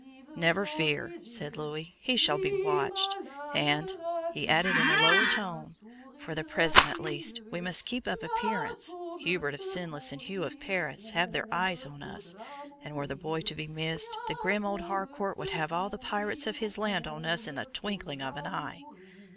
"Never fear," said Louis; "he shall be watched. And," he added in a lower tone, "for the present, at least, we must keep up appearances. Hubert of Senlis, and Hugh of Paris, have their eyes on us, and were the boy to be missed, the grim old Harcourt would have all the pirates of his land on us in the twinkling of an eye.